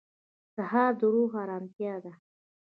سهار د روح ارامتیا ده.